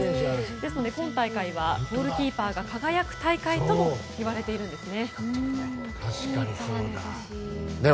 ですので今大会はゴールキーパーが輝く大会ともいわれているんですね。